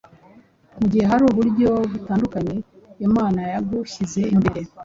mu gihe hari uburyo butandukanye Imana yagushyize imbere.